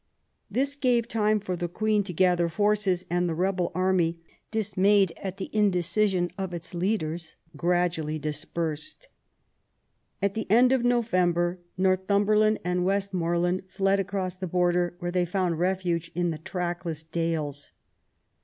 This gave time for the Queen to gather forces ; and the rebel army, dis mayed at the indecision of its leaders, gradually dispersed. At the end of November Northumberland and Westmoreland fled across the Border, where they found refuge in the trackless dales.